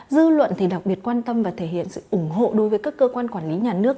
dư luận đặc biệt quan tâm và thể hiện sự ủng hộ đối với các cơ quan quản lý nhà nước